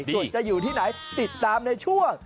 ส่วนจะอยู่ที่ไหนติดตามในช่วง